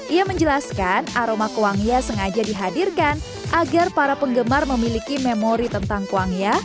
ia menjelaskan aroma kuangya sengaja dihadirkan agar para penggemar memiliki memori tentang kuangya